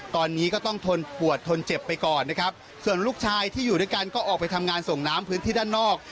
ตอนนี้ก็ต้องทนปวดทนเจ็บไปก่อนนะครับส่วนลูกชายที่อยู่ด้วยกันก็ออกไปทำงานส่งน้ำพื้นที่ด้านนอก